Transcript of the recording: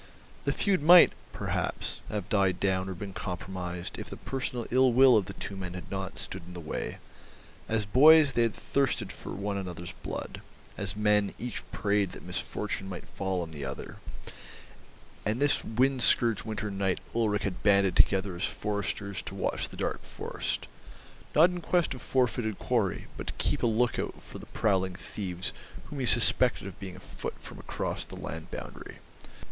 The feud might, perhaps, have died down or been compromised if the personal ill will of the two men had not stood in the way; as boys they had thirsted for one another's blood, as men each prayed that misfortune might fall on the other, and this wind scourged winter night Ulrich had banded together his foresters to watch the dark forest, not in quest of four footed quarry, but to keep a look out for the prowling thieves whom he suspected of being afoot from across the land boundary.